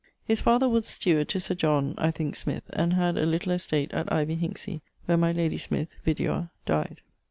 His father was steward to Sir John (I thinke) Smyth; and had a little estate at Ivy Hinksey, where my lady Smyth (vidua) dyed.